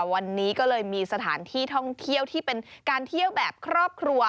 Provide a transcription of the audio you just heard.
วันนี้ก็เลยมีสถานที่ท่องเที่ยวที่เป็นการเที่ยวแบบครอบครัว